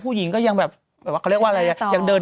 ผู้จัดการเราน่ารัก